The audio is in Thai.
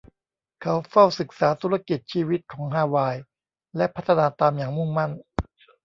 เขาเฝ้าศึกษาธุรกิจชีวิตของฮาวายและพัฒนาตามอย่างมุ่งมั่น